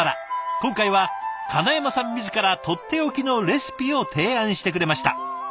今回は金山さん自らとっておきのレシピを提案してくれました。